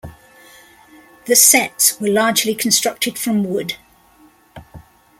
The sets were largely constructed from wood.